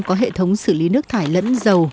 có hệ thống xử lý nước thải lẫn dầu